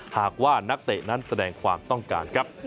หากว่านักเตะนั้นแสดงความต้องการครับ